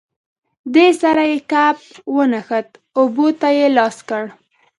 دې سره یې کپ ونښت، اوبو ته یې لاس کړ.